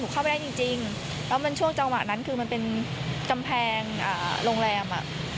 เข้าไม่ได้จริงแล้วมันช่วงจังหวะนั้นคือมันเป็นกำแพงโรงแรมอ่ะ